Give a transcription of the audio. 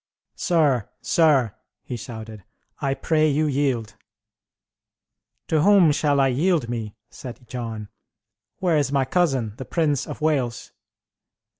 "Sir, sir!" he shouted, "I pray you yield!" "To whom shall I yield me?" said John, "Where is my cousin, the Prince of Wales?"